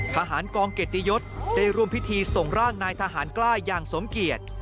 ทหารกองเกียรติยศได้ร่วมพิธีส่งร่างนายทหารกล้าอย่างสมเกียจ